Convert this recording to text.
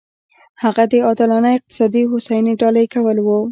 هغه د عادلانه اقتصادي هوساینې ډالۍ کول و.